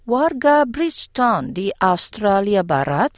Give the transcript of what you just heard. warga bridgetown di australia barat